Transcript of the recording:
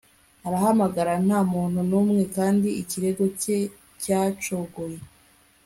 Arahamagara Nta muntu numwe Kandi ikirego cye cyacogoye